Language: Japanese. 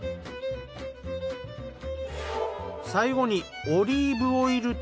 最後にオリーブオイルと